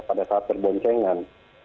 pada saat terboncengan